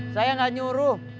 saya enggak nyuruh